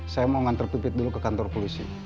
saya mau ngantar pipit dulu ke kantor polisi